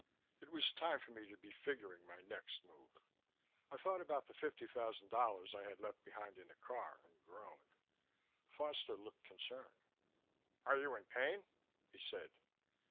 It was time for me to be figuring my next move. I thought about the fifty thousand dollars I had left behind in the car, and groaned. Foster looked concerned. "Are you in pain?" he said.